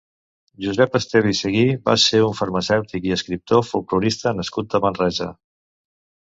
Josep Esteve i Seguí va ser un farmacèutic i escriptor folklorista nascut a Manresa.